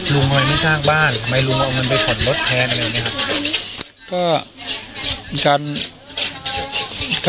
ลุงเอามานี่สร้างบ้านทำไมลุงเอามันไปถ่อนรถแทนอะไรอย่างนี้ครับ